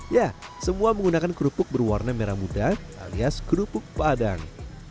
ya semua menggunakan kerupuk berwarna merah muda alias kerupuk padang